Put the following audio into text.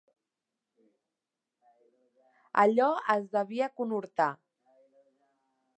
Allò els devia conhortar.